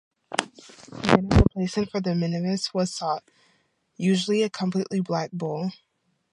Then a replacement for the Mnevis was sought, usually a completely black bull.